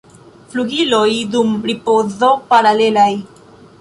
Flugiloj dum ripozo paralelaj.